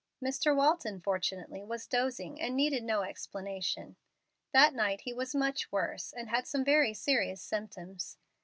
Mr. Walton fortunately was dozing and needed no explanation. That night he was much worse, and had some very serious symptoms.